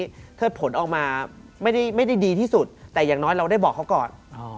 เทศอย่างนี้เทศผลออกมาไม่ได้ดีที่สุดแต่อย่างน้อยเราได้บอกเขาก่อน